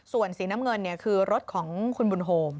ส่วนสีน้ำเงินคือรถของคุณบุญโฮม